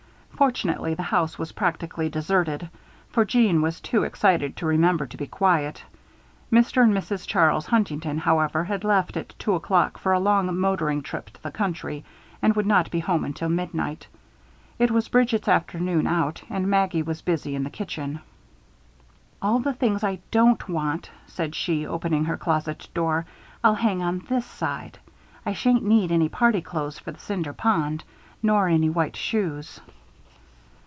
Fortunately the house was practically deserted, for Jeanne was too excited to remember to be quiet. Mr. and Mrs. Charles Huntington, however, had left at two o'clock for a long motoring trip to the country, and would not be home until midnight. It was Bridget's afternoon out and Maggie was busy in the kitchen. "All the things I don't want," said she, opening her closet door, "I'll hang on this side. I shan't need any party clothes for the Cinder Pond. Nor any white shoes."